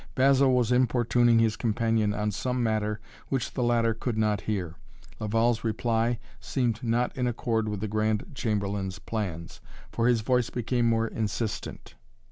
Basil was importuning his companion on some matter which the latter could not hear. Laval's reply seemed not in accord with the Grand Chamberlain's plans, for his voice became more insistent.